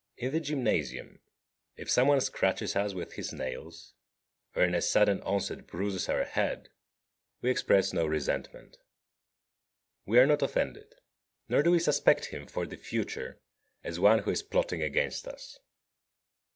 20. In the gymnasium, if some one scratches us with his nails, or in a sudden onset bruises our head, we express no resentment; we are not offended; nor do we suspect him for the future as one who is plotting against us.